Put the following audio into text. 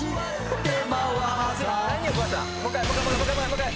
・もう１回。